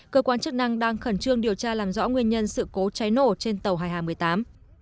cơ quan chức năng đang khẩn trương điều tra làm rõ nguyên nhân sự cố cháy nổ trên tàu hải hà một mươi tám